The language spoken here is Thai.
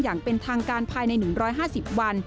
อย่างเป็นทางการภายใน๑๕๐วัน